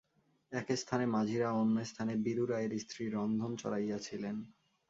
একস্থানে মাঝিরা ও অন্যস্থানে বীরু রায়ের স্ত্রী রন্ধন চড়াইয়াছিলেন।